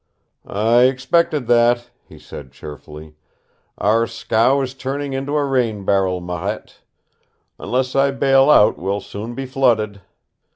"I expected that," he said cheerfully. "Our scow is turning into a rain barrel, Marette. Unless I bail out, we'll soon be flooded."